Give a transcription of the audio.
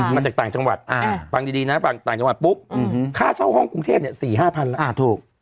มาจากต่างจังหวัดฟังดีนะฟังต่างจังหวัดปุ๊บค่าเช่าห้องกรุงเทพ๔๕พันแล้วถูก